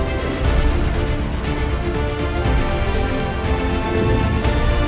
proklamasi kami bangsa indonesia